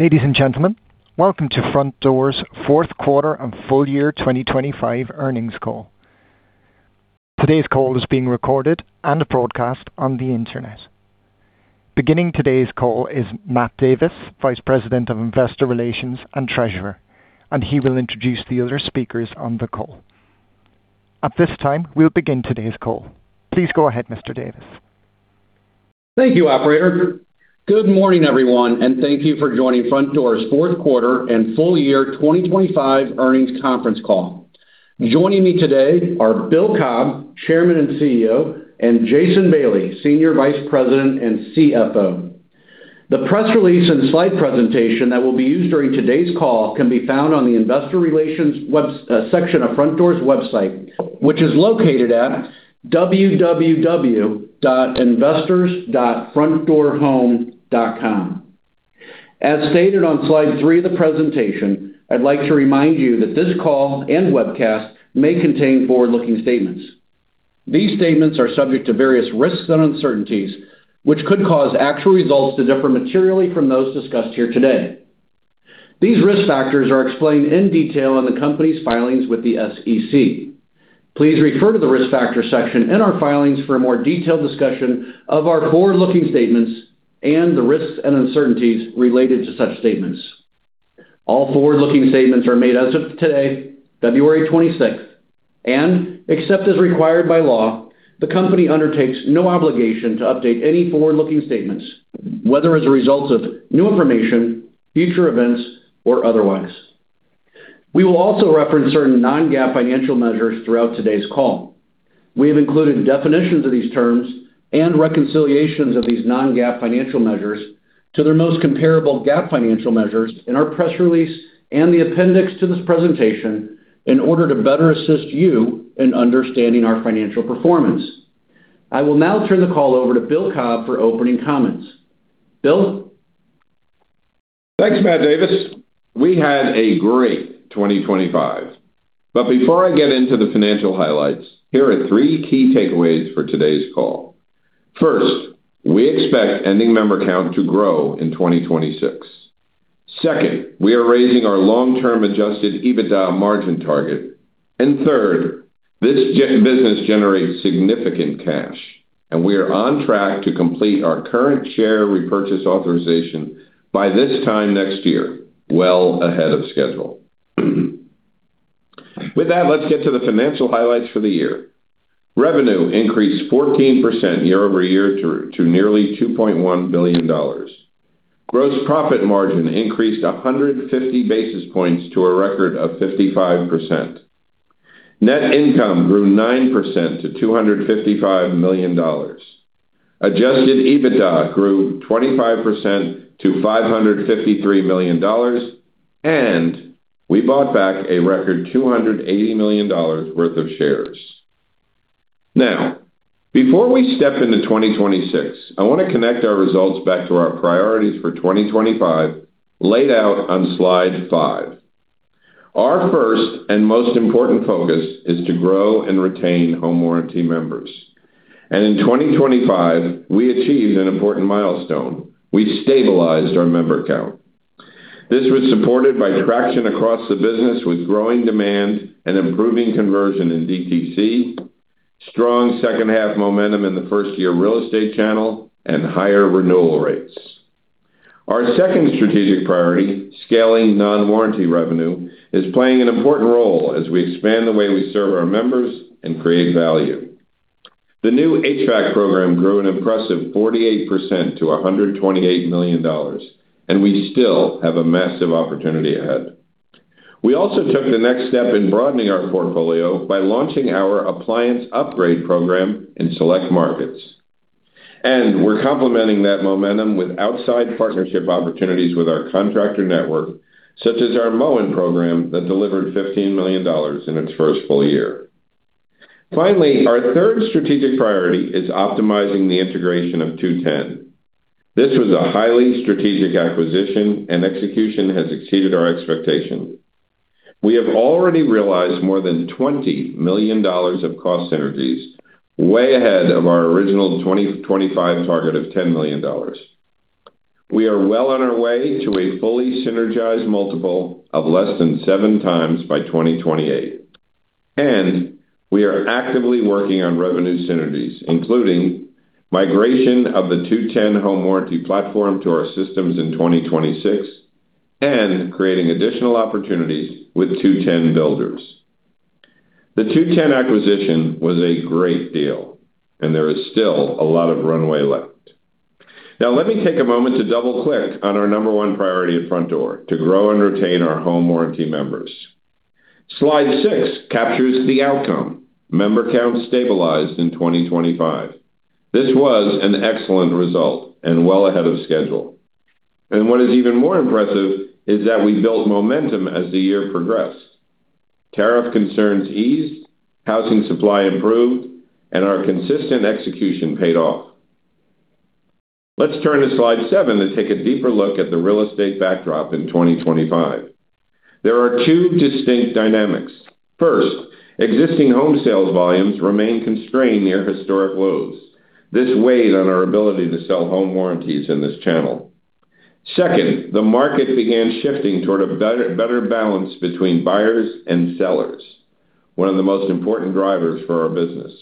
Ladies and gentlemen, welcome to Frontdoor's fourth quarter and full year 2025 earnings call. Today's call is being recorded and broadcast on the Internet. Beginning today's call is Matt Davis, Vice President of Investor Relations and Treasurer. He will introduce the other speakers on the call. At this time, we'll begin today's call. Please go ahead, Mr. Davis. Thank you, Operator. Good morning, everyone, and thank you for joining Frontdoor's fourth quarter and full year 2025 earnings conference call. Joining me today are Bill Cobb, Chairman and CEO, and Jason Bailey, Senior Vice President and CFO. The press release and slide presentation that will be used during today's call can be found on the Investor Relations section of Frontdoor's website, which is located at www.investors.frontdoor.com. As stated on slide three of the presentation, I'd like to remind you that this call and webcast may contain forward-looking statements. These statements are subject to various risks and uncertainties, which could cause actual results to differ materially from those discussed here today. These risk factors are explained in detail in the company's filings with the SEC. Please refer to the Risk Factors section in our filings for a more detailed discussion of our forward-looking statements and the risks and uncertainties related to such statements. All forward-looking statements are made as of today, February 26th, except as required by law, the Company undertakes no obligation to update any forward-looking statements, whether as a result of new information, future events, or otherwise. We will also reference certain non-GAAP financial measures throughout today's call. We have included definitions of these terms and reconciliations of these non-GAAP financial measures to their most comparable GAAP financial measures in our press release and the appendix to this presentation in order to better assist you in understanding our financial performance. I will now turn the call over to Bill Cobb for opening comments. Bill? Thanks, Matt Davis. We had a great 2025, before I get into the financial highlights, here are three key takeaways for today's call. First, we expect ending member count to grow in 2026. Second, we are raising our long-term Adjusted EBITDA margin target. Third, this business generates significant cash, and we are on track to complete our current share repurchase authorization by this time next year, well ahead of schedule. With that, let's get to the financial highlights for the year. Revenue increased 14% year-over-year to nearly $2.1 billion. Gross profit margin increased 150 basis points to a record of 55%. Net income grew 9% to $255 million. Adjusted EBITDA grew 25% to $553 million. We bought back a record $280 million worth of shares. Before we step into 2026, I want to connect our results back to our priorities for 2025, laid out on slide five. Our first and most important focus is to grow and retain home warranty members. In 2025, we achieved an important milestone. We stabilized our member count. This was supported by traction across the business, with growing demand and improving conversion in DTC, strong second-half momentum in the first-year real estate channel, and higher renewal rates. Our second strategic priority, scaling non-warranty revenue, is playing an important role as we expand the way we serve our members and create value. The new HVAC program grew an impressive 48% to $128 million. We still have a massive opportunity ahead. We also took the next step in broadening our portfolio by launching our appliance upgrade program in select markets. We're complementing that momentum with outside partnership opportunities with our contractor network, such as our Moen program, that delivered $15 million in its first full year. Finally, our third strategic priority is optimizing the integration of 2-10. This was a highly strategic acquisition. Execution has exceeded our expectations. We have already realized more than $20 million of cost synergies, way ahead of our original 2025 target of $10 million. We are well on our way to a fully synergized multiple of less than 7x by 2028, and we are actively working on revenue synergies, including migration of the 2-10 home warranty platform to our systems in 2026, and creating additional opportunities with 2-10 builders. The 2-10 acquisition was a great deal, and there is still a lot of runway left. Now, let me take a moment to double-click on our number one priority at Frontdoor, to grow and retain our home warranty members. Slide 6 captures the outcome. Member count stabilized in 2025. This was an excellent result and well ahead of schedule. What is even more impressive is that we built momentum as the year progressed. Tariff concerns eased, housing supply improved, and our consistent execution paid off. Let's turn to slide seven to take a deeper look at the real estate backdrop in 2025. There are two distinct dynamics. First, existing home sales volumes remain constrained near historic lows. This weighed on our ability to sell home warranties in this channel. Second, the market began shifting toward a better balance between buyers and sellers, one of the most important drivers for our business.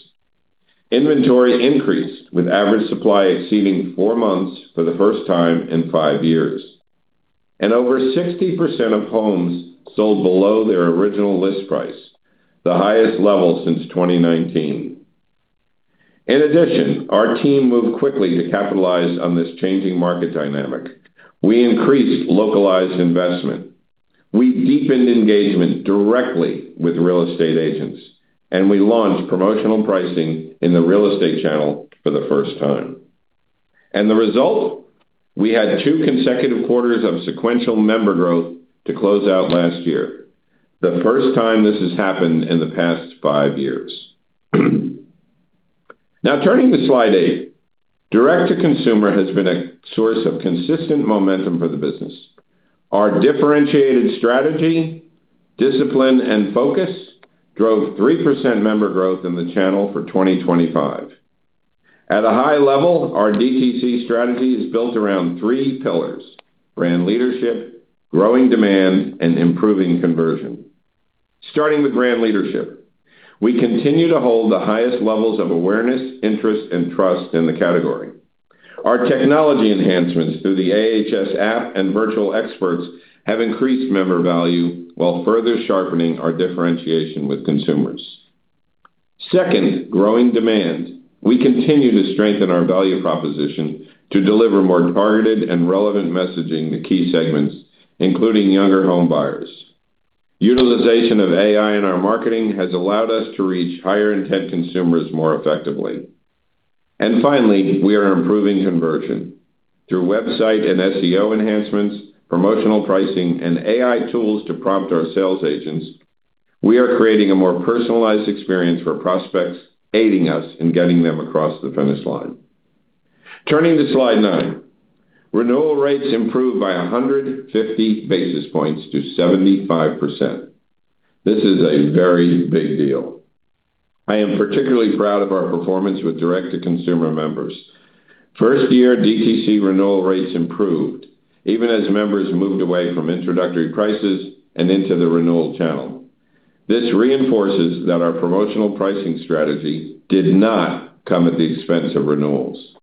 Inventory increased, with average supply exceeding four months for the first time in five years, and over 60% of homes sold below their original list price, the highest level since 2019. In addition, our team moved quickly to capitalize on this changing market dynamic. We increased localized investment. We deepened engagement directly with real estate agents, and we launched promotional pricing in the real estate channel for the first time. The result, we had two consecutive quarters of sequential member growth to close out last year, the first time this has happened in the past five years. Turning to Slide eight. Direct-to-consumer has been a source of consistent momentum for the business. Our differentiated strategy, discipline, and focus drove 3% member growth in the channel for 2025. At a high level, our DTC strategy is built around three pillars: brand leadership, growing demand, and improving conversion. Starting with brand leadership, we continue to hold the highest levels of awareness, interest, and trust in the category. Our technology enhancements through the AHS app and virtual experts have increased member value while further sharpening our differentiation with consumers. Second, growing demand. We continue to strengthen our value proposition to deliver more targeted and relevant messaging to key segments, including younger home buyers. Utilization of AI in our marketing has allowed us to reach higher intent consumers more effectively. Finally, we are improving conversion. Through website and SEO enhancements, promotional pricing, and AI tools to prompt our sales agents, we are creating a more personalized experience for prospects, aiding us in getting them across the finish line. Turning to Slide nine. Renewal rates improved by 150 basis points to 75%. This is a very big deal. I am particularly proud of our performance with direct-to-consumer members. First year, DTC renewal rates improved, even as members moved away from introductory prices and into the renewal channel. This reinforces that our promotional pricing strategy did not come at the expense of renewals.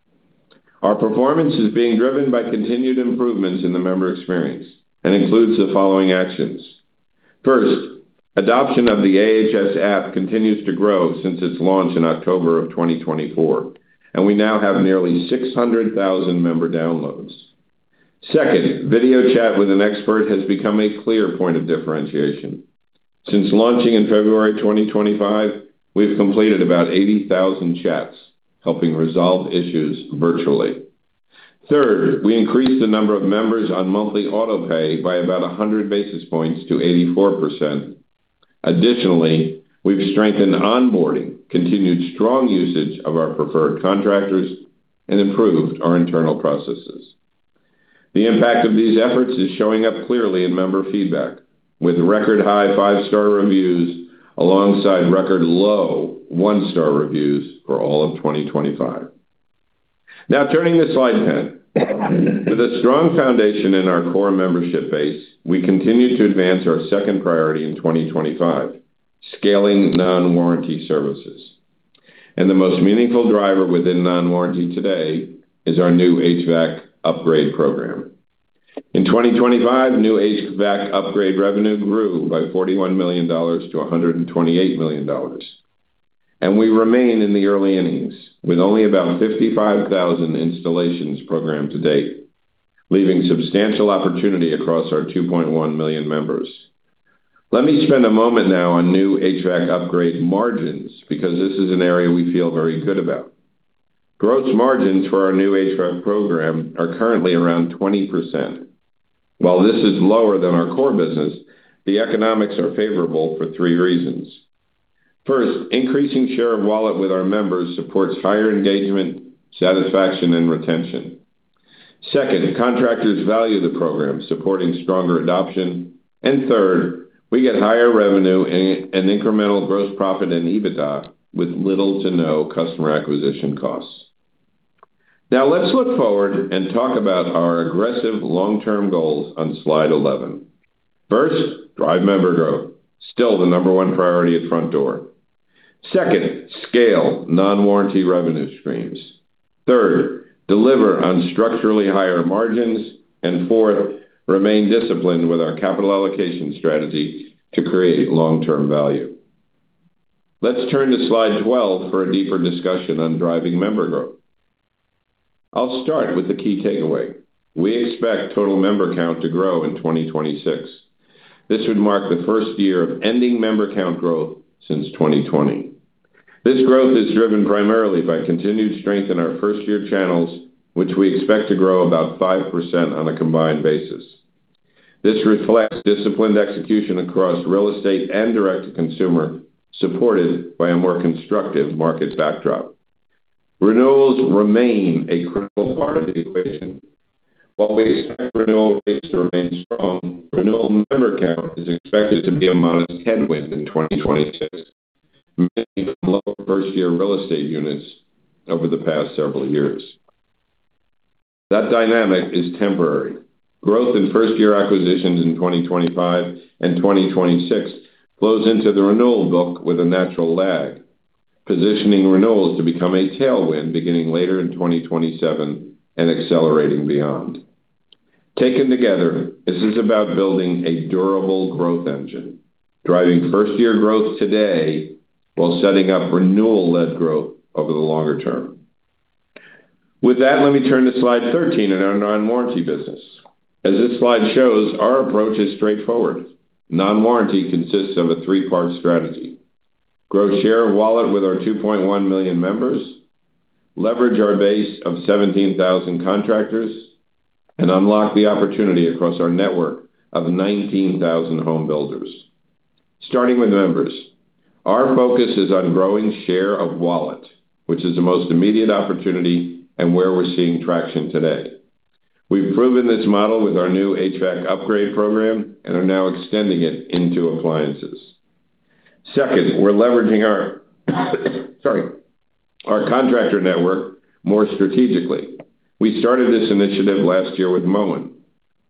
Our performance is being driven by continued improvements in the member experience and includes the following actions. First, adoption of the AHS app continues to grow since its launch in October 2024, and we now have nearly 600,000 member downloads. Second, video chat with an expert has become a clear point of differentiation. Since launching in February 2025, we've completed about 80,000 chats, helping resolve issues virtually. Third, we increased the number of members on monthly autopay by about 100 basis points to 84%. Additionally, we've strengthened onboarding, continued strong usage of our preferred contractors, and improved our internal processes. The impact of these efforts is showing up clearly in member feedback, with record high five star reviews alongside record low one star reviews for all of 2025. Now, turning to Slide 10. With a strong foundation in our core membership base, we continue to advance our second priority in 2025, scaling non-warranty services. The most meaningful driver within non-warranty today is our new HVAC upgrade program. In 2025, new HVAC upgrade revenue grew by $41 million-$128 million. We remain in the early innings, with only about 55,000 installations programmed to date, leaving substantial opportunity across our 2.1 million members. Let me spend a moment now on new HVAC upgrade margins, because this is an area we feel very good about. Gross margins for our new HVAC program are currently around 20%. While this is lower than our core business, the economics are favorable for three reasons. First, increasing share of wallet with our members supports higher engagement, satisfaction, and retention. Second, contractors value the program, supporting stronger adoption. Third, we get higher revenue and incremental gross profit and EBITDA with little to no customer acquisition costs. Let's look forward and talk about our aggressive long-term goals on Slide 11. First, drive member growth, still the number one priority at Frontdoor. Second, scale non-warranty revenue streams. Third, deliver on structurally higher margins. Fourth, remain disciplined with our capital allocation strategy to create long-term value. Let's turn to Slide 12 for a deeper discussion on driving member growth. I'll start with the key takeaway. We expect total member count to grow in 2026. This would mark the first year of ending member count growth since 2020. This growth is driven primarily by continued strength in our first-year channels, which we expect to grow about 5% on a combined basis. This reflects disciplined execution across real estate and direct-to-consumer, supported by a more constructive market backdrop.... Renewals remain a critical part of the equation. While we expect renewal rates to remain strong, renewal member count is expected to be a modest headwind in 2026, mainly from lower first-year real estate units over the past several years. That dynamic is temporary. Growth in first-year acquisitions in 2025 and 2026 flows into the renewal book with a natural lag, positioning renewals to become a tailwind beginning later in 2027 and accelerating beyond. Taken together, this is about building a durable growth engine, driving first-year growth today while setting up renewal-led growth over the longer term. With that, let me turn to slide 13 in our non-warranty business. As this slide shows, our approach is straightforward. Non-warranty consists of a three-part strategy: grow share of wallet with our 2.1 million members, leverage our base of 17,000 contractors, and unlock the opportunity across our network of 19,000 home builders. Starting with members, our focus is on growing share of wallet, which is the most immediate opportunity and where we're seeing traction today. We've proven this model with our new HVAC upgrade program and are now extending it into appliances. Second, we're leveraging our contractor network more strategically. We started this initiative last year with Moen.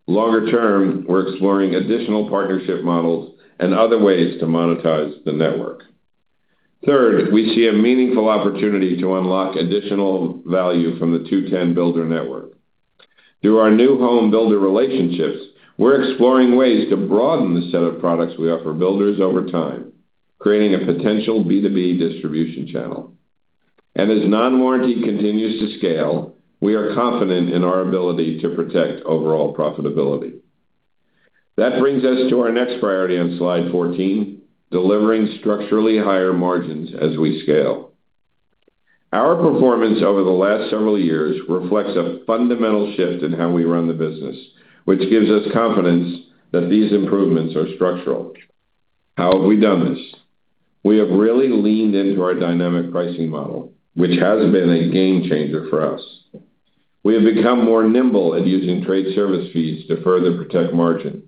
Longer term, we're exploring additional partnership models and other ways to monetize the network. Third, we see a meaningful opportunity to unlock additional value from the 2-10 builder network. Through our new home builder relationships, we're exploring ways to broaden the set of products we offer builders over time, creating a potential B2B distribution channel. As non-warranty continues to scale, we are confident in our ability to protect overall profitability. That brings us to our next priority on slide 14, delivering structurally higher margins as we scale. Our performance over the last several years reflects a fundamental shift in how we run the business, which gives us confidence that these improvements are structural. How have we done this? We have really leaned into our dynamic pricing model, which has been a game changer for us. We have become more nimble at using trade service fees to further protect margin.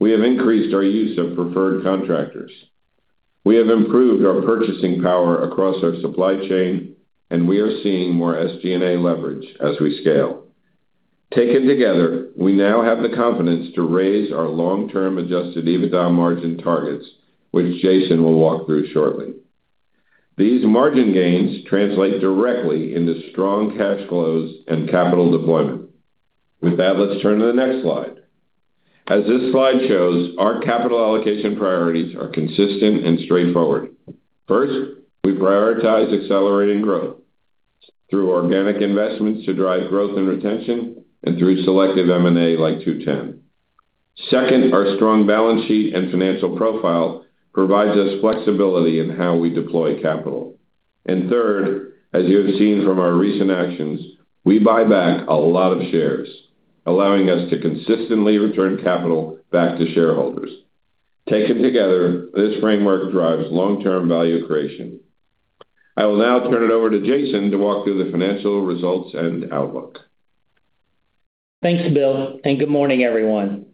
We have increased our use of preferred contractors. We have improved our purchasing power across our supply chain, and we are seeing more SG&A leverage as we scale. Taken together, we now have the confidence to raise our long-term adjusted EBITDA margin targets, which Jason will walk through shortly. These margin gains translate directly into strong cash flows and capital deployment. With that, let's turn to the next slide. As this slide shows, our capital allocation priorities are consistent and straightforward. First, we prioritize accelerating growth through organic investments to drive growth and retention and through selective M&A like 2-10. Second, our strong balance sheet and financial profile provides us flexibility in how we deploy capital. Third, as you have seen from our recent actions, we buy back a lot of shares, allowing us to consistently return capital back to shareholders. Taken together, this framework drives long-term value creation. I will now turn it over to Jason to walk through the financial results and outlook. Thanks, Bill, and good morning, everyone.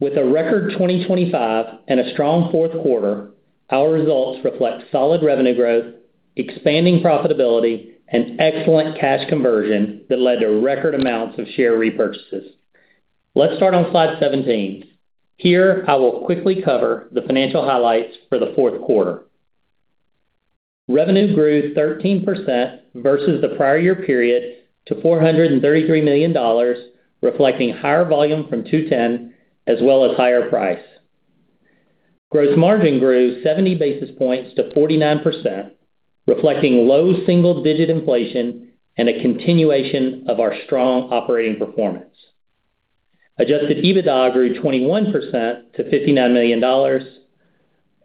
With a record 2025 and a strong fourth quarter, our results reflect solid revenue growth, expanding profitability, and excellent cash conversion that led to record amounts of share repurchases. Let's start on slide 17. Here, I will quickly cover the financial highlights for the fourth quarter. Revenue grew 13% versus the prior year period to $433 million, reflecting higher volume from 2-10, as well as higher price. Gross margin grew 70 basis points to 49%, reflecting low single-digit inflation and a continuation of our strong operating performance. Adjusted EBITDA grew 21% to $59 million.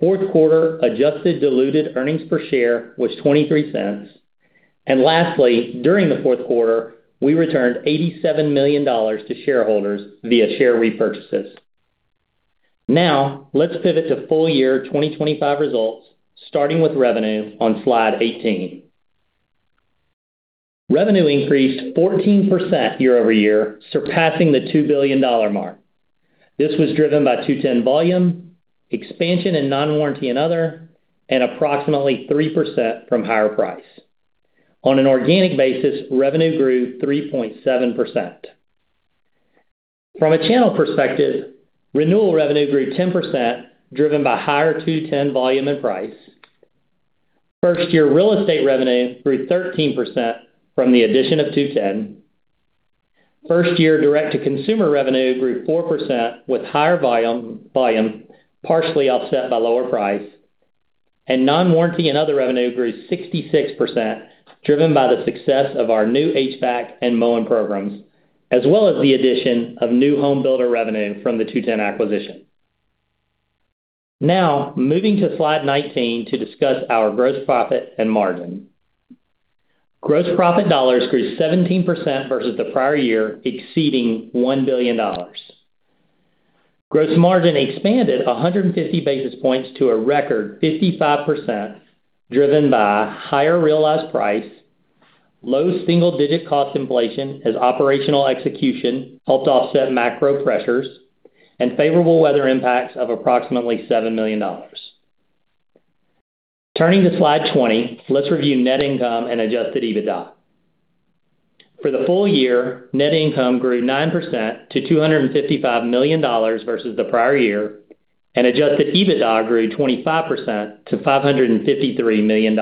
Fourth quarter adjusted diluted earnings per share was $0.23. Lastly, during the fourth quarter, we returned $87 million to shareholders via share repurchases. Let's pivot to full year 2025 results, starting with revenue on slide 18. Revenue increased 14% year-over-year, surpassing the $2 billion mark. This was driven by 2-10 volume, expansion in non-warranty and other, and approximately 3% from higher price. On an organic basis, revenue grew 3.7%. From a channel perspective, renewal revenue grew 10%, driven by higher 2-10 volume and price. First-year real estate revenue grew 13% from the addition of 2-10. First-year direct-to-consumer revenue grew 4%, with higher volume partially offset by lower price, and non-warranty and other revenue grew 66%, driven by the success of our new HVAC and Moen programs, as well as the addition of new home builder revenue from the 2-10 acquisition. Moving to slide 19 to discuss our gross profit and margin. Gross profit dollars grew 17% versus the prior year, exceeding $1 billion. Gross margin expanded 150 basis points to a record 55%, driven by higher realized price, low single-digit cost inflation as operational execution helped offset macro pressures, and favorable weather impacts of approximately $7 million. Turning to Slide 20, let's review net income and Adjusted EBITDA. For the full year, net income grew 9% to $255 million versus the prior year, and Adjusted EBITDA grew 25% to $553 million.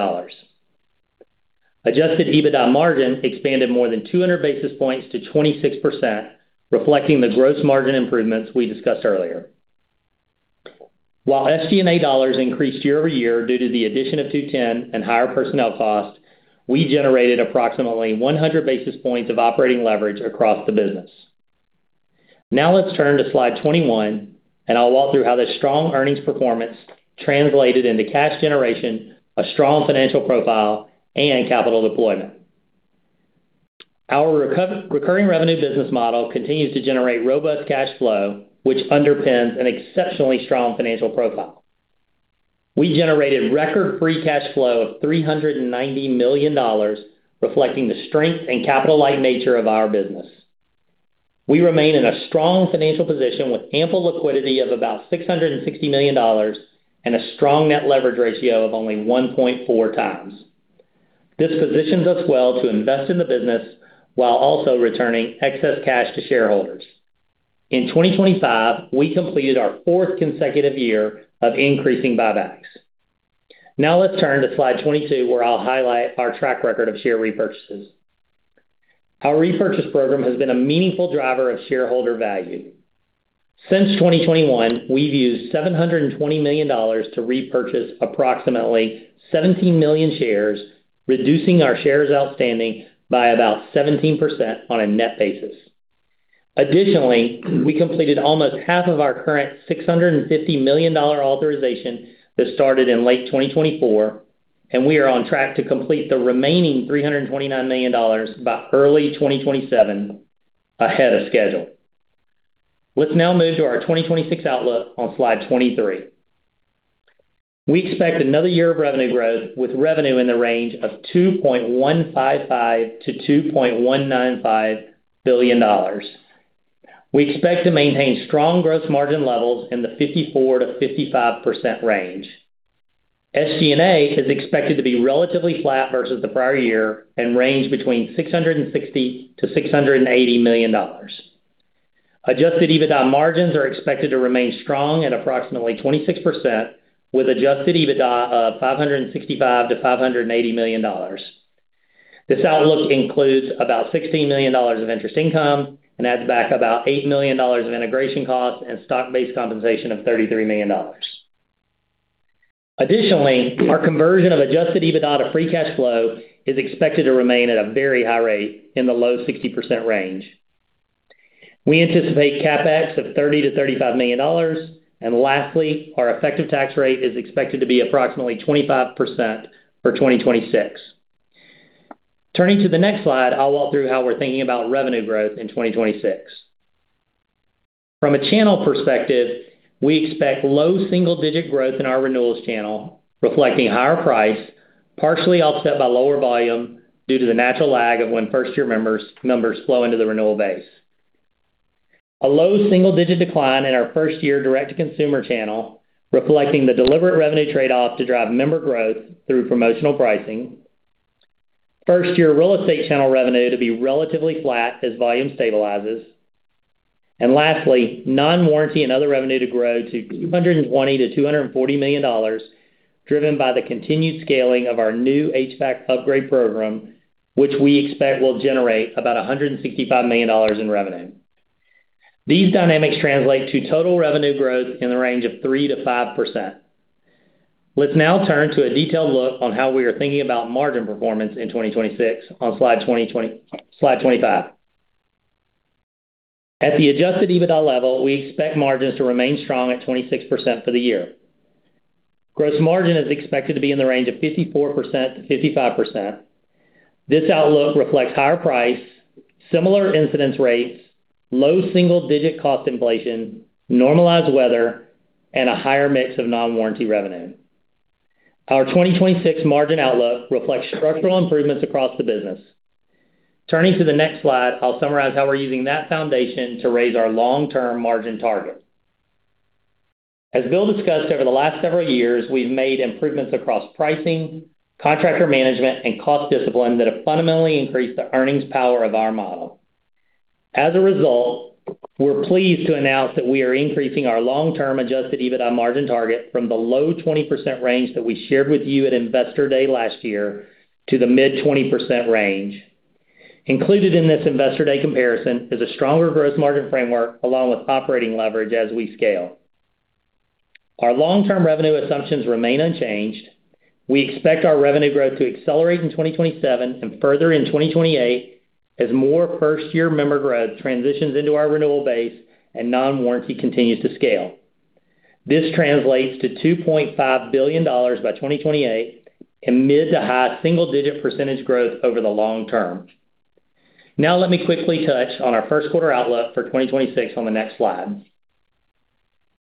Adjusted EBITDA margin expanded more than 200 basis points to 26%, reflecting the gross margin improvements we discussed earlier. While SG&A dollars increased year-over-year due to the addition of 2-10 and higher personnel costs, we generated approximately 100 basis points of operating leverage across the business. Let's turn to Slide 21. I'll walk through how this strong earnings performance translated into cash generation, a strong financial profile, and capital deployment. Our recurring revenue business model continues to generate robust cash flow, which underpins an exceptionally strong financial profile. We generated record free cash flow of $390 million, reflecting the strength and capital-light nature of our business. We remain in a strong financial position with ample liquidity of about $660 million and a strong net leverage ratio of only 1.4x. This positions us well to invest in the business while also returning excess cash to shareholders. In 2025, we completed our fourth consecutive year of increasing buybacks. Let's turn to Slide 22, where I'll highlight our track record of share repurchases. Our repurchase program has been a meaningful driver of shareholder value. Since 2021, we've used $720 million to repurchase approximately 17 million shares, reducing our shares outstanding by about 17% on a net basis. Additionally, we completed almost half of our current $650 million authorization that started in late 2024, and we are on track to complete the remaining $329 million by early 2027 ahead of schedule. Let's now move to our 2026 outlook on Slide 23. We expect another year of revenue growth, with revenue in the range of $2.155 billion-$2.195 billion. We expect to maintain strong gross margin levels in the 54%-55% range. SG&A is expected to be relatively flat versus the prior year and range between $660 million-$680 million. Adjusted EBITDA margins are expected to remain strong at approximately 26%, with adjusted EBITDA of $565 million-$580 million. This outlook includes about $16 million of interest income and adds back about $8 million of integration costs and stock-based compensation of $33 million. Additionally, our conversion of adjusted EBITDA to free cash flow is expected to remain at a very high rate, in the low 60% range. We anticipate CapEx of $30 million-$35 million. Lastly, our effective tax rate is expected to be approximately 25% for 2026. Turning to the next slide, I'll walk through how we're thinking about revenue growth in 2026. From a channel perspective, we expect low single-digit growth in our renewals channel, reflecting higher price, partially offset by lower volume due to the natural lag of when first-year members flow into the renewal base. A low single-digit decline in our first-year direct-to-consumer channel, reflecting the deliberate revenue trade-off to drive member growth through promotional pricing. First-year real estate channel revenue to be relatively flat as volume stabilizes. Lastly, non-warranty and other revenue to grow to $220 million-$240 million, driven by the continued scaling of our new HVAC upgrade program, which we expect will generate about $165 million in revenue. These dynamics translate to total revenue growth in the range of 3%-5%. Let's now turn to a detailed look on how we are thinking about margin performance in 2026 on Slide 25. At the Adjusted EBITDA level, we expect margins to remain strong at 26% for the year. Gross margin is expected to be in the range of 54%-55%. This outlook reflects higher price, similar incidence rates, low single-digit cost inflation, normalized weather, and a higher mix of non-warranty revenue. Our 2026 margin outlook reflects structural improvements across the business. Turning to the next slide, I'll summarize how we're using that foundation to raise our long-term margin target. As Bill discussed, over the last several years, we've made improvements across pricing, contractor management, and cost discipline that have fundamentally increased the earnings power of our model. We're pleased to announce that we are increasing our long-term Adjusted EBITDA margin target from the low 20% range that we shared with you at Investor Day last year to the mid-20% range. Included in this Investor Day comparison is a stronger growth margin framework, along with operating leverage as we scale. Our long-term revenue assumptions remain unchanged. We expect our revenue growth to accelerate in 2027 and further in 2028, as more first-year member growth transitions into our renewal base and non-warranty continues to scale. This translates to $2.5 billion by 2028 and mid to high single-digit % growth over the long term. Let me quickly touch on our first quarter outlook for 2026 on the next slide.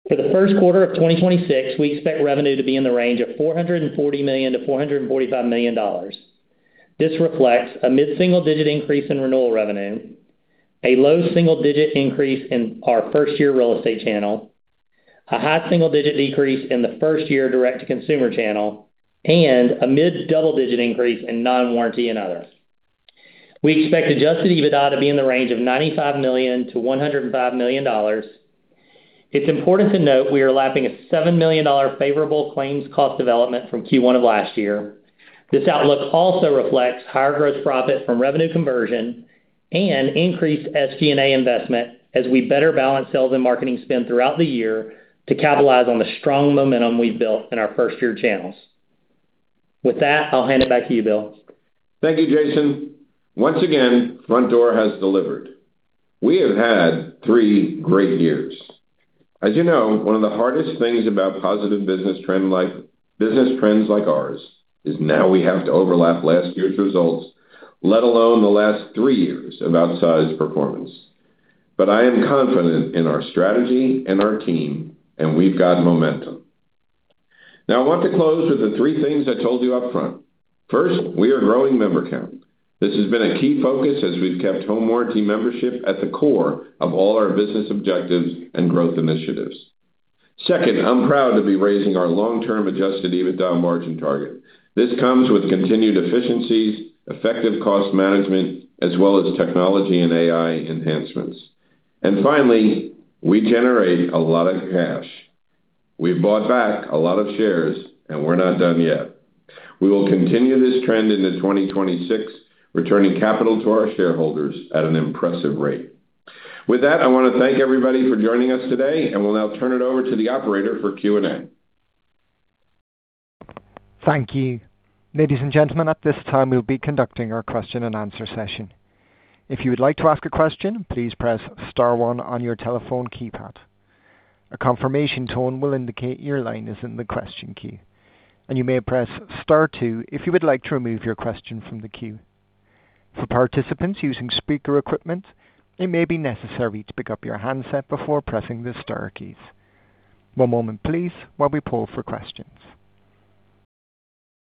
For the first quarter of 2026, we expect revenue to be in the range of $440 million-$445 million. This reflects a mid-single-digit increase in renewal revenue, a low single-digit increase in our first-year real estate channel, a high single-digit decrease in the first year direct-to-consumer channel, and a mid-double-digit increase in non-warranty and others. We expect Adjusted EBITDA to be in the range of $95 million-$105 million. It's important to note we are lapping a $7 million favorable claims cost development from Q1 of last year. This outlook also reflects higher gross profit from revenue conversion and increased SG&A investment as we better balance sales and marketing spend throughout the year to capitalize on the strong momentum we've built in our first-year channels. With that, I'll hand it back to you, Bill. Thank you, Jason. Once again, Frontdoor has delivered. We have had three great years. As you know, one of the hardest things about positive business trends like ours, is now we have to overlap last year's results, let alone the last three years of outsized performance. I am confident in our strategy and our team, and we've got momentum. I want to close with the three things I told you up front. First, we are growing member count. This has been a key focus as we've kept home warranty membership at the core of all our business objectives and growth initiatives. Second, I'm proud to be raising our long-term adjusted EBITDA margin target. This comes with continued efficiencies, effective cost management, as well as technology and AI enhancements. Finally, we generate a lot of cash. We've bought back a lot of shares. We're not done yet. We will continue this trend into 2026, returning capital to our shareholders at an impressive rate. With that, I want to thank everybody for joining us today. We'll now turn it over to the operator for Q&A. Thank you. Ladies and gentlemen, at this time, we'll be conducting our question-and-answer session. If you would like to ask a question, please press star one on your telephone keypad. A confirmation tone will indicate your line is in the question queue, and you may press star two if you would like to remove your question from the queue. For participants using speaker equipment, it may be necessary to pick up your handset before pressing the star keys. One moment please while we pull for questions.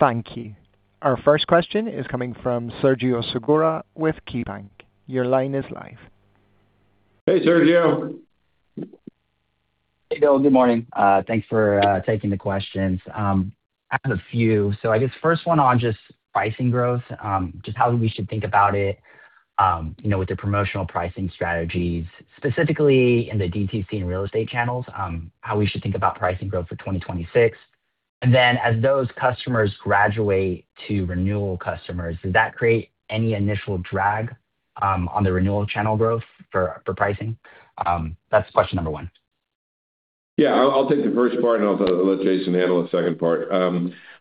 Thank you. Our first question is coming from Sergio Segura with KeyBanc. Your line is live. Hey, Sergio. Hey, Bill. Good morning. Thanks for taking the questions. I have a few. I guess first one on just pricing growth, just how we should think about it, you know, with the promotional pricing strategies, specifically in the DTC and real estate channels, how we should think about pricing growth for 2026. As those customers graduate to renewal customers, does that create any initial drag on the renewal channel growth for pricing? That's question number 1. Yeah, I'll take the first part, and I'll let Jason handle the second part.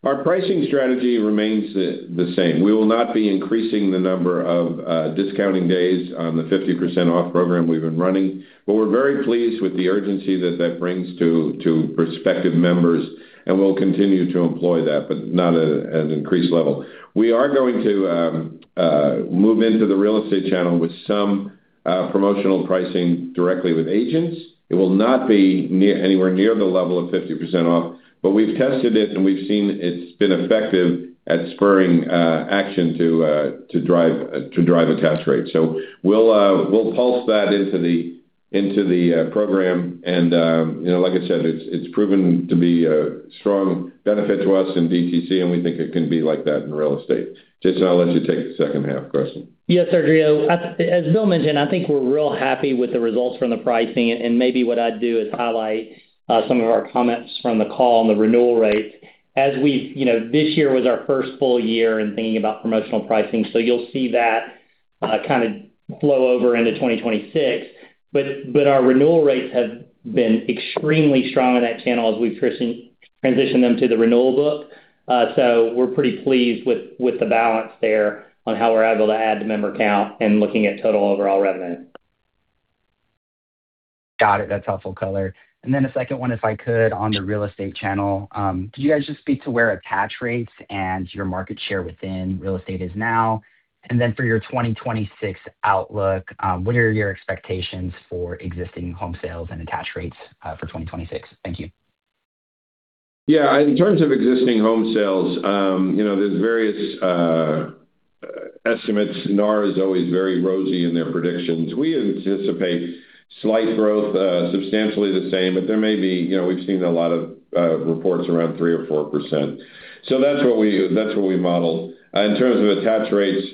Our pricing strategy remains the same. We will not be increasing the number of discounting days on the 50% off program we've been running, but we're very pleased with the urgency that brings to prospective members, and we'll continue to employ that, but not at an increased level. We are going to move into the real estate channel with some promotional pricing directly with agents. It will not be near, anywhere near the level of 50% off, but we've tested it, and we've seen it's been effective at spurring action to drive attach rate. We'll pulse that into the program. You know, like I said, it's proven to be a strong benefit to us in DTC, and we think it can be like that in real estate. Jason, I'll let you take the second half question. Sergio. As Bill mentioned, I think we're real happy with the results from the pricing, and maybe what I'd do is highlight some of our comments from the call on the renewal rates. You know, this year was our first full year in thinking about promotional pricing, so you'll see that kind of flow over into 2026. Our renewal rates have been extremely strong in that channel as we've transitioned them to the renewal book. We're pretty pleased with the balance there on how we're able to add the member count and looking at total overall revenue. Got it. That's helpful color. The second one, if I could, on the real estate channel. Could you guys just speak to where attach rates and your market share within real estate is now? For your 2026 outlook, what are your expectations for existing home sales and attach rates for 2026? Thank you. In terms of existing home sales, you know, there's various estimates. NAR is always very rosy in their predictions. We anticipate slight growth, substantially the same, but there may be. You know, we've seen a lot of reports around 3% or 4%. That's what we, that's what we modeled. In terms of attach rates,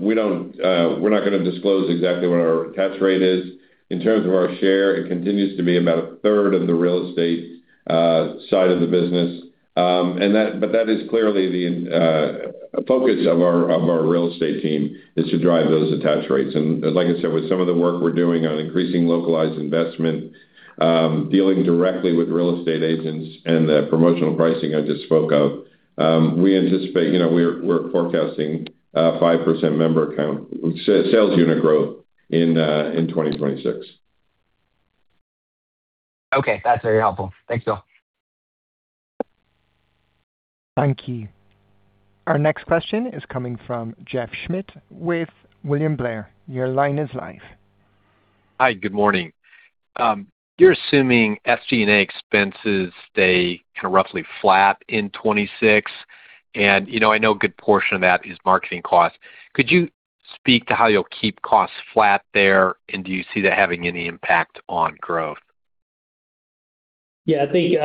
we don't, we're not going to disclose exactly what our attach rate is. In terms of our share, it continues to be about 1/3 of the real estate side of the business. That is clearly the focus of our, of our real estate team, is to drive those attach rates. Like I said, with some of the work we're doing on increasing localized investment, dealing directly with real estate agents and the promotional pricing I just spoke of, we anticipate, you know, we're forecasting 5% member count, sales unit growth in 2026. Okay. That's very helpful. Thanks, Bill. Thank you. Our next question is coming from Jeffrey Schmitt with William Blair. Your line is live. Hi, good morning. You're assuming SG&A expenses stay kind of roughly flat in 2026, and, you know, I know a good portion of that is marketing costs. Could you speak to how you'll keep costs flat there, and do you see that having any impact on growth? Yeah, I think,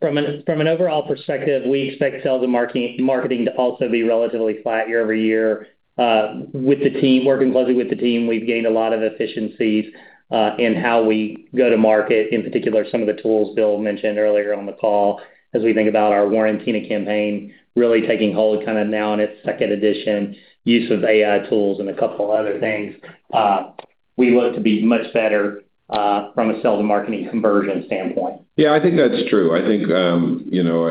from an overall perspective, we expect sales and marketing to also be relatively flat year-over-year. With the team, working closely with the team, we've gained a lot of efficiencies, in how we go to market, in particular, some of the tools Bill mentioned earlier on the call, as we think about our Warrantina campaign really taking hold kind of now in its second edition, use of AI tools and a couple other things. We look to be much better, from a sales and marketing conversion standpoint. Yeah, I think that's true. I think, you know,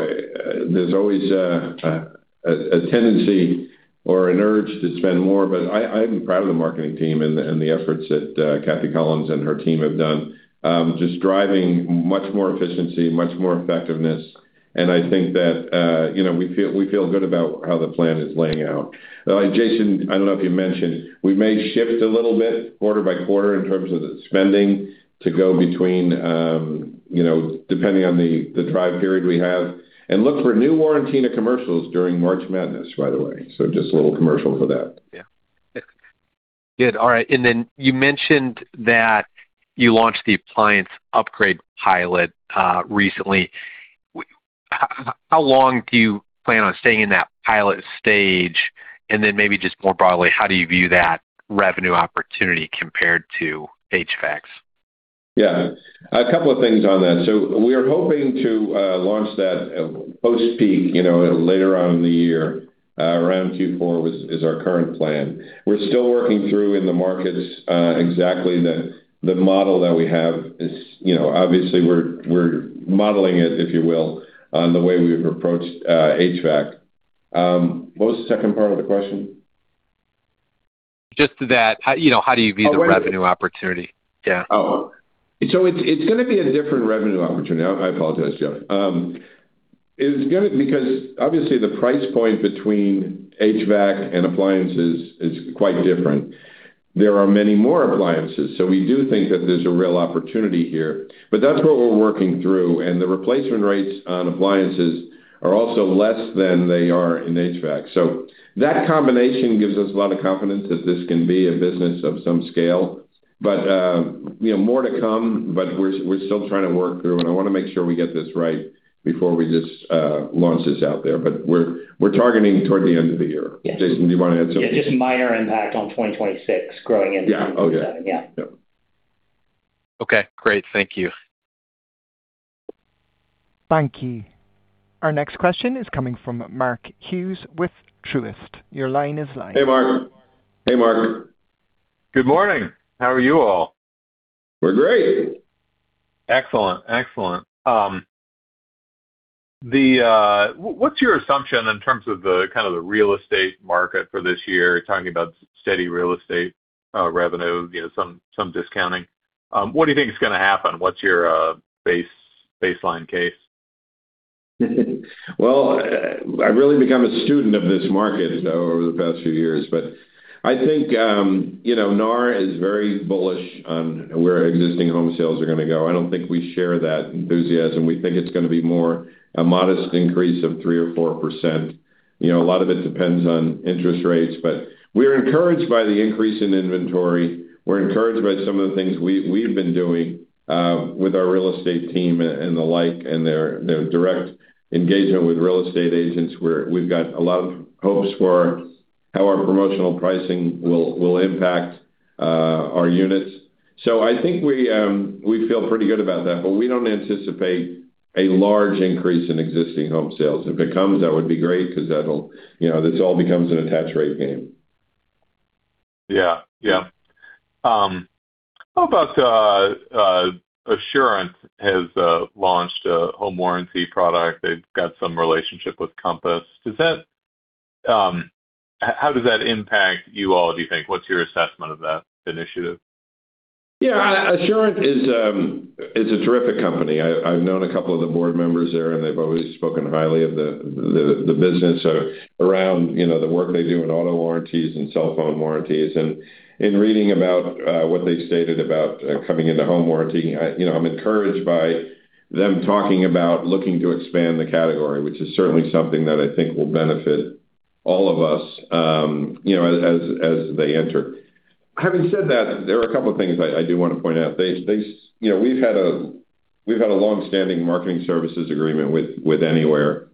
there's always a tendency or an urge to spend more, but I'm proud of the marketing team and the efforts that Kathy Collins and her team have done. Just driving much more efficiency, much more effectiveness, and I think that, you know, we feel good about how the plan is laying out. Jason, I don't know if you mentioned, we may shift a little bit quarter by quarter in terms of the spending to go between, you know, depending on the drive period we have. Look for new Warrantina commercials during March Madness, by the way, so just a little commercial for that. Yeah. Good. All right. You mentioned that you launched the appliance upgrade pilot recently. How long do you plan on staying in that pilot stage? Maybe just more broadly, how do you view that revenue opportunity compared to HVAC? Yeah. A couple of things on that. We are hoping to launch that post-peak, you know, later on in the year, around Q4 is our current plan. We're still working through in the markets, exactly the model that we have. You know, obviously, we're modeling it, if you will, on the way we've approached HVAC. What was the second part of the question? Just that, how, you know, how do you view the revenue opportunity? Yeah. It's gonna be a different revenue opportunity. I apologize, Jeff. It's gonna because obviously, the price point between HVAC and appliances is quite different. There are many more appliances. We do think that there's a real opportunity here, but that's what we're working through, and the replacement rates on appliances are also less than they are in HVAC. That combination gives us a lot of confidence that this can be a business of some scale, but, you know, more to come, but we're still trying to work through, and I wanna make sure we get this right before we just launch this out there. We're targeting toward the end of the year. Yes. Jason, do you want to add something? Yeah, just minor impact on 2026 growing into... Yeah. Okay. Yeah. Yep. Okay, great. Thank you. Thank you. Our next question is coming from Mark Hughes with Truist. Your line is live. Hey, Mark. Good morning. How are you all? We're great. Excellent. Excellent. What's your assumption in terms of the kind of the real estate market for this year? Talking about steady real estate revenue, you know, some discounting. What do you think is gonna happen? What's your baseline case? I've really become a student of this market over the past few years, I think, you know, NAR is very bullish on where existing home sales are going to go. I don't think we share that enthusiasm. We think it's going to be more a modest increase of 3% or 4%. You know, a lot of it depends on interest rates, we're encouraged by the increase in inventory. We're encouraged by some of the things we've been doing with our real estate team and the like, and their direct engagement with real estate agents, where we've got a lot of hopes for how our promotional pricing will impact our units. I think we feel pretty good about that, but we don't anticipate a large increase in existing home sales. If it comes, that would be great because that'll, you know, this all becomes an attach rate game. Yeah. Yeah. How about Assurant has launched a home warranty product. They've got some relationship with Compass. How does that impact you all, do you think? What's your assessment of that initiative? Yeah, Assurant is a terrific company. I've known a couple of the board members there, and they've always spoken highly of the business around, you know, the work they do in auto warranties and cell phone warranties. In reading about what they've stated about coming into home warranty, I, you know, I'm encouraged by them talking about looking to expand the category, which is certainly something that I think will benefit all of us, you know, as they enter. Having said that, there are a couple of things I do want to point out. They, you know, we've had a long-standing marketing services agreement with Anywhere.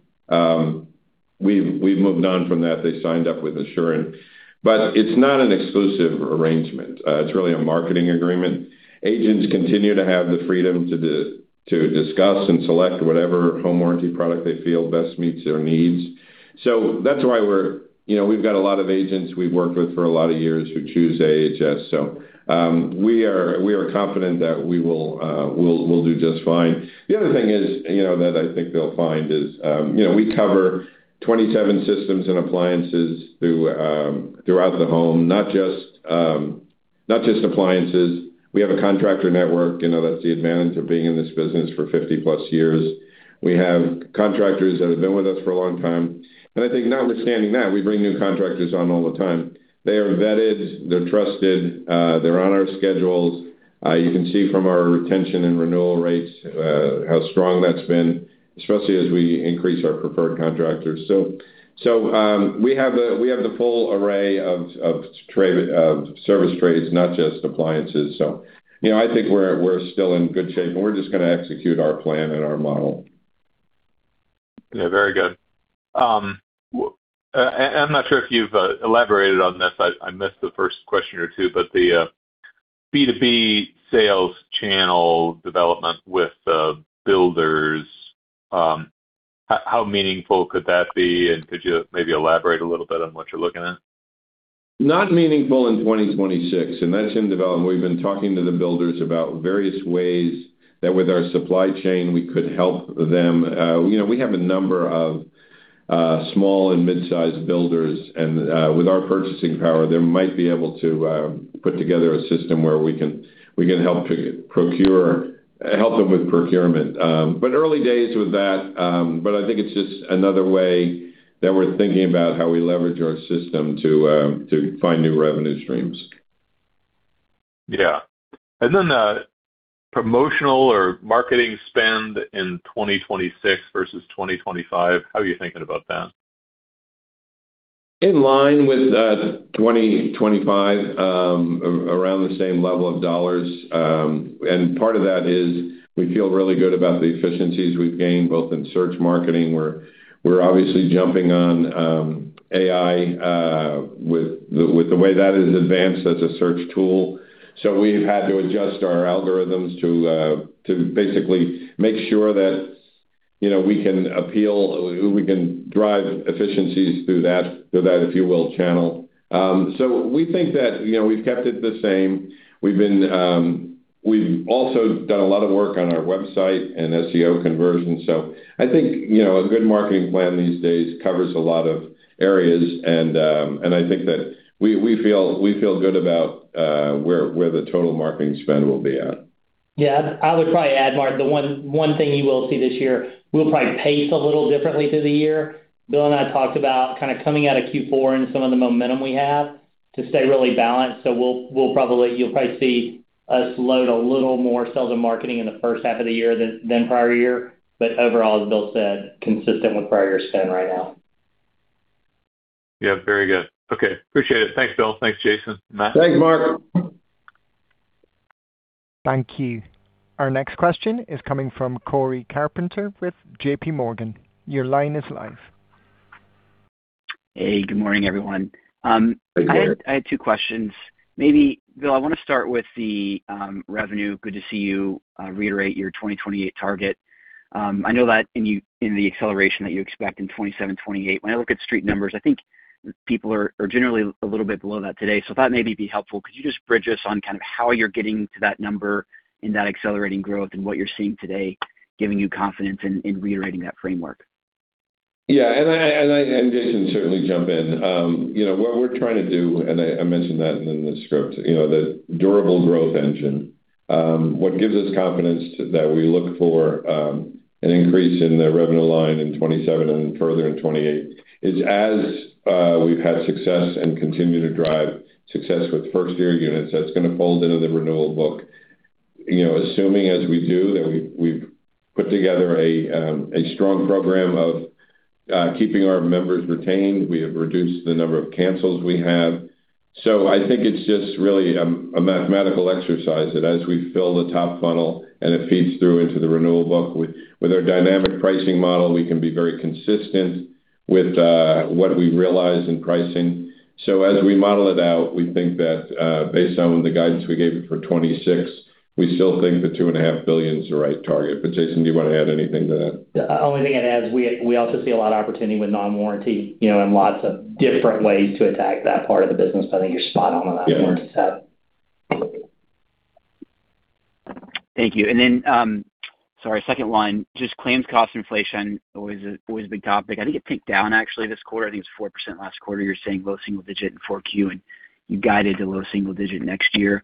We've moved on from that. They signed up with Assurant, but it's not an exclusive arrangement. It's really a marketing agreement. Agents continue to have the freedom to discuss and select whatever home warranty product they feel best meets their needs. That's why we're, you know, we've got a lot of agents we've worked with for a lot of years who choose AHS. We are confident that we will do just fine. The other thing is, you know, that I think they'll find is, you know, we cover 27 systems and appliances throughout the home, not just appliances. We have a contractor network, you know, that's the advantage of being in this business for 50+ years. We have contractors that have been with us for a long time. I think notwithstanding that, we bring new contractors on all the time. They are vetted, they're trusted, they're on our schedules. You can see from our retention and renewal rates, how strong that's been, especially as we increase our preferred contractors. We have the full array of trade, of service trades, not just appliances. You know, I think we're still in good shape, and we're just gonna execute our plan and our model. Yeah, very good. I'm not sure if you've elaborated on this, I missed the first question or two, but the B2B sales channel development with builders, how meaningful could that be? Could you maybe elaborate a little bit on what you're looking at? Not meaningful in 2026, and that's in development. We've been talking to the builders about various ways that with our supply chain, we could help them. You know, we have a number of small and mid-sized builders, and with our purchasing power, they might be able to put together a system where we can help them with procurement. Early days with that, but I think it's just another way that we're thinking about how we leverage our system to find new revenue streams. Yeah. Then, promotional or marketing spend in 2026 versus 2025, how are you thinking about that? In line with 2025, around the same level of dollars. Part of that is we feel really good about the efficiencies we've gained, both in search marketing, where we're obviously jumping on AI with the way that is advanced as a search tool. We've had to adjust our algorithms to basically make sure that, you know, we can appeal, we can drive efficiencies through that, through that, if you will, channel. We think that, you know, we've kept it the same. We've been, we've also done a lot of work on our website and SEO conversion. I think, you know, a good marketing plan these days covers a lot of areas, and I think that we feel, we feel good about where the total marketing spend will be at. I would probably add, Mark, the one thing you will see this year, we'll probably pace a little differently through the year. Bill and I talked about kind of coming out of Q4 and some of the momentum we have to stay really balanced. We'll probably see us load a little more sales and marketing in the first half of the year than prior year. Overall, as Bill said, consistent with prior year spend right now. Yeah, very good. Okay, appreciate it. Thanks, Bill. Thanks, Jason. Matt? Thanks, Mark. Thank you. Our next question is coming from Cory Carpenter with JPMorgan. Your line is live. Hey, good morning, everyone. Good morning. I had two questions. Maybe, Bill, I want to start with the revenue. Good to see you reiterate your 2028 target. I know that in the acceleration that you expect in 2027, 2028, when I look at street numbers, I think people are generally a little bit below that today. If that may be helpful, could you just bridge us on kind of how you're getting to that number and that accelerating growth and what you're seeing today, giving you confidence in reiterating that framework? Yeah, Jason, certainly jump in. You know, what we're trying to do, and I mentioned that in the script, you know, the durable growth engine. What gives us confidence that we look for an increase in the revenue line in 2027 and further in 2028, is as we've had success and continue to drive success with first-year units, that's gonna fold into the renewal book. You know, assuming as we do, that we've put together a strong program of keeping our members retained, we have reduced the number of cancels we have. I think it's just really a mathematical exercise, that as we fill the top funnel and it feeds through into the renewal book, with our dynamic pricing model, we can be very consistent with what we realize in pricing. As we model it out, we think that, based on the guidance we gave you for 2026, we still think the $2.5 billion is the right target. Jason, do you want to add anything to that? The only thing I'd add is we also see a lot of opportunity with non-warranty, you know, and lots of different ways to attack that part of the business, but I think you're spot on with that one, so. Yeah. Thank you. Sorry, second one, just claims cost inflation, always a big topic. I think it ticked down, actually, this quarter. I think it was 4% last quarter. You're saying low single digit in 4Q, and you guided to low single digit next year.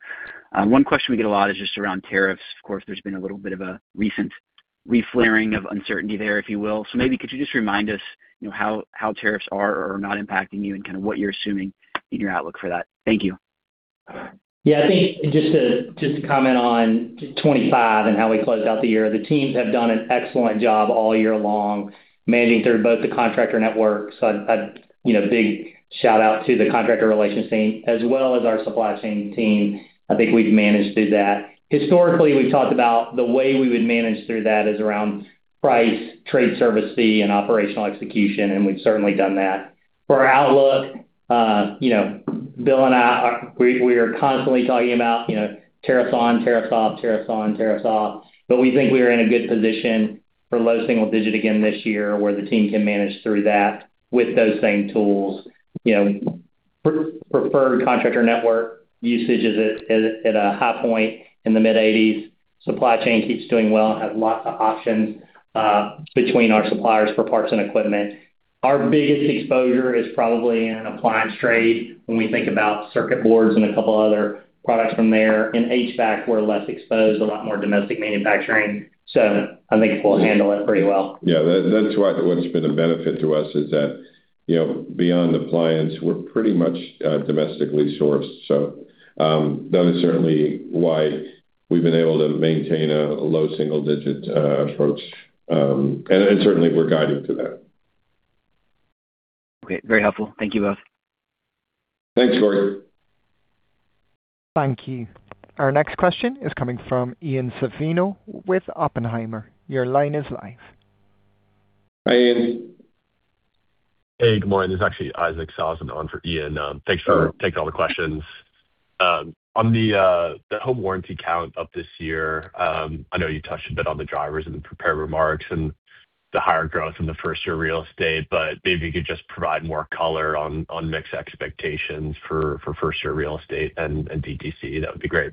One question we get a lot is just around tariffs. Of course, there's been a little bit of a recent re-flaring of uncertainty there, if you will. Maybe could you just remind us, you know, how tariffs are or are not impacting you and kind of what you're assuming in your outlook for that? Thank you. Yeah, I think just to comment on 25 and how we closed out the year, the teams have done an excellent job all year long, managing through both the contractor network. You know, big shout out to the contractor relations team as well as our supply chain team. I think we've managed through that. Historically, we've talked about the way we would manage through that is around price, trade service fee, and operational execution, and we've certainly done that. For our outlook, you know, Bill and I, we are constantly talking about, you know, tariffs on, tariffs off, tariffs on, tariffs off, but we think we are in a good position for low single digit again this year, where the team can manage through that with those same tools. You know, preferred contractor network usage is at a high point in the mid-80s. Supply chain keeps doing well, and has lots of options between our suppliers for parts and equipment. Our biggest exposure is probably in appliance trade when we think about circuit boards and a couple other products from there. In HVAC, we're less exposed, a lot more domestic manufacturing, so I think we'll handle it pretty well. Yeah, that's why what's been a benefit to us is that, you know, beyond appliance, we're pretty much domestically sourced. That is certainly why we've been able to maintain a low single-digit approach. Certainly we're guided to that. Okay, very helpful. Thank you both. Thanks, Corey. Thank you. Our next question is coming from Ian Zaffino with Oppenheimer. Your line is live. Hi, Ian. Hey, good morning. This is actually Ian Zaffino on for Ian. Thanks for taking all the questions. On the home warranty count up this year, I know you touched a bit on the drivers in the prepared remarks and the higher growth in the first year real estate, but maybe you could just provide more color on mixed expectations for first year real estate and DTC. That would be great.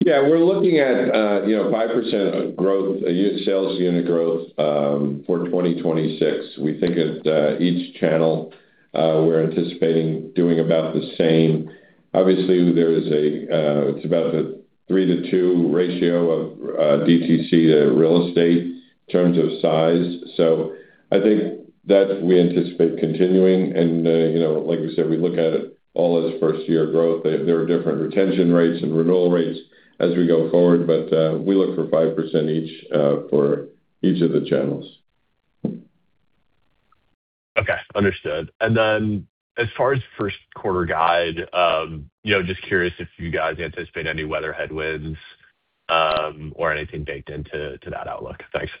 Yeah, we're looking at, you know, 5% growth, unit sales unit growth, for 2026. We think at, each channel, we're anticipating doing about the same. Obviously, there is a, it's about a three to two ratio of, DTC to real estate in terms of size. I think that we anticipate continuing and, you know, like I said, we look at it all as first-year growth. There, there are different retention rates and renewal rates as we go forward, but, we look for 5% each, for each of the channels. Okay, understood. As far as first quarter guide, you know, just curious if you guys anticipate any weather headwinds or anything baked into to that outlook? Thanks.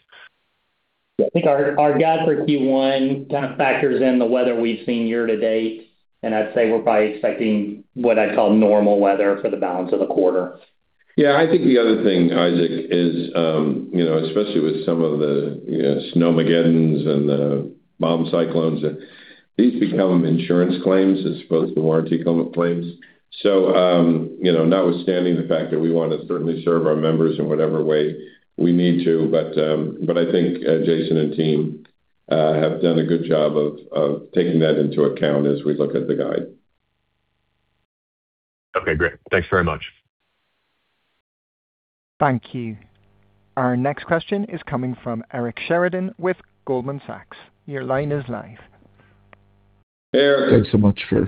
I think our guide for Q1 kind of factors in the weather we've seen year to date, and I'd say we're probably expecting what I'd call normal weather for the balance of the quarter. I think the other thing, Ian Zaffino, is, you know, especially with some of the, you know, Snowmageddons and the bomb cyclones, that these become insurance claims as opposed to warranty claim. You know, notwithstanding the fact that we want to certainly serve our members in whatever way we need to, but I think Jason Bailey and team have done a good job of taking that into account as we look at the guide. Okay, great. Thanks very much. Thank you. Our next question is coming from Eric Sheridan with Goldman Sachs. Your line is live. Eric. Hey,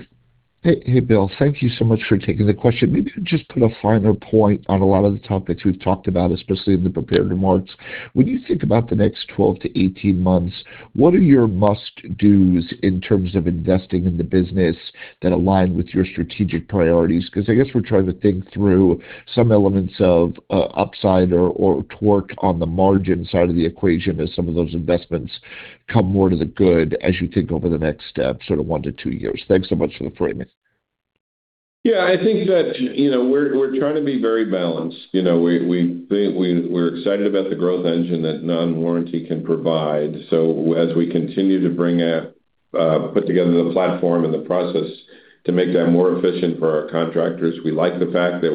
hey, Bill. Thank you so much for taking the question. Maybe just put a finer point on a lot of the topics we've talked about, especially in the prepared remarks. When you think about the next 12-18 months, what are your must-dos in terms of investing in the business that align with your strategic priorities? I guess we're trying to think through some elements of upside or torque on the margin side of the equation as some of those investments come more to the good as you think over the next one to two years. Thanks so much for the framing. Yeah, I think that, you know, we're trying to be very balanced. You know, we think we're excited about the growth engine that non-warranty can provide. As we continue to bring out, put together the platform and the process to make that more efficient for our contractors, we like the fact that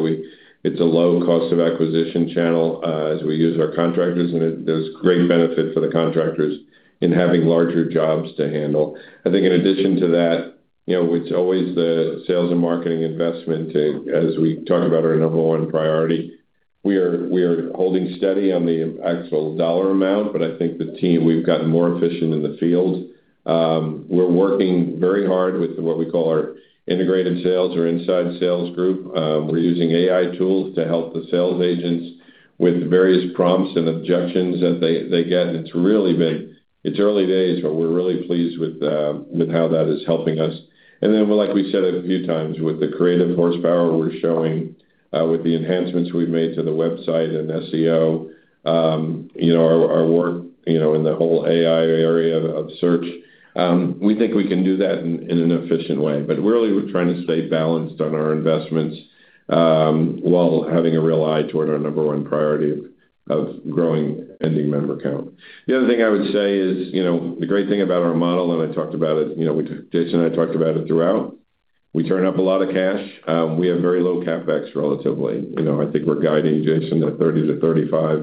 it's a low cost of acquisition channel, as we use our contractors, and there's great benefit for the contractors in having larger jobs to handle. I think in addition to that, you know, it's always the sales and marketing investment, as we talk about our number one priority. We are holding steady on the actual dollar amount, but I think the team, we've gotten more efficient in the field. We're working very hard with what we call our integrated sales or inside sales group. We're using AI tools to help the sales agents with various prompts and objections that they get. It's really big. It's early days, but we're really pleased with how that is helping us. Like we said a few times, with the creative horsepower we're showing, with the enhancements we've made to the website and SEO, you know, our work, you know, in the whole AI area of search, we think we can do that in an efficient way. Really, we're trying to stay balanced on our investments while having a real eye toward our number one priority of growing ending member count. The other thing I would say is, you know, the great thing about our model, I talked about it, you know, Jason and I talked about it throughout, we turn up a lot of cash. We have very low CapEx relatively. You know, I think we're guiding Jason to $30 million-$35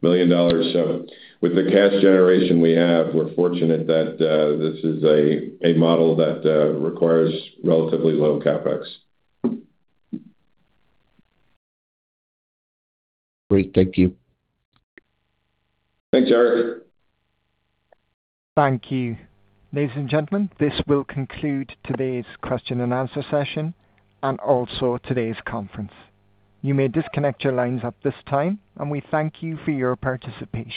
million. With the cash generation we have, we're fortunate that this is a model that requires relatively low CapEx. Great. Thank you. Thanks, Eric. Thank you. Ladies and gentlemen, this will conclude today's question and answer session and also today's conference. You may disconnect your lines at this time, and we thank you for your participation.